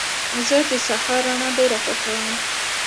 زه د سهار رڼا ډېره خوښوم.